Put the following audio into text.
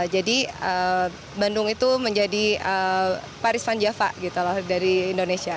jadi bandung itu menjadi paris van java dari indonesia